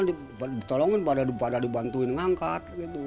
ditolongin pada dibantuin ngangkat